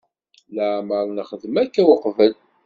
Leɛmeṛ nexdem akka weqbel.